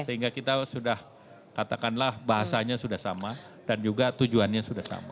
sehingga kita sudah katakanlah bahasanya sudah sama dan juga tujuannya sudah sama